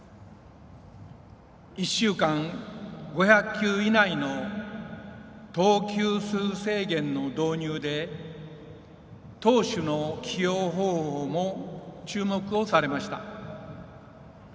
１週間５００球以内の投球数制限の導入で投手の起用方法も注目をされました。